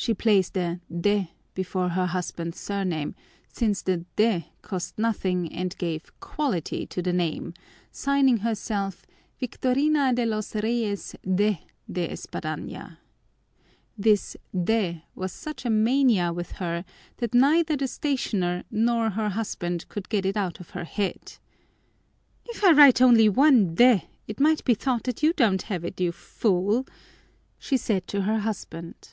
She placed a de before her husband's surname, since the de cost nothing and gave "quality" to the name, signing herself "Victorina de los Reyes de De Espadaña." This de was such a mania with her that neither the stationer nor her husband could get it out of her head. "If I write only one de it may be thought that you don't have it, you fool!" she said to her husband.